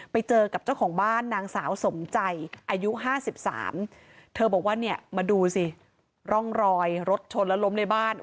ไปเจอกับเจ้าของบ้านนางสาวสมใจอายุ๕๓เธอบอกว่าเนี่ยมาดูสิร่องรอยรถชนแล้วล้มในบ้าน